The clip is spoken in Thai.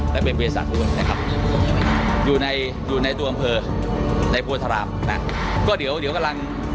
แม่เป็นเบรษาอยู่ในอยู่ในบรรยามนะก็เดี๋ยวกำลัง